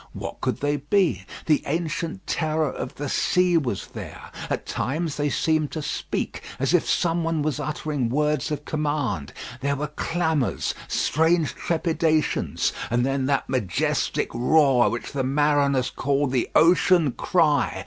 What could they be? The ancient terror of the sea was there. At times they seemed to speak as if some one was uttering words of command. There were clamours, strange trepidations, and then that majestic roar which the mariners call the "Ocean cry."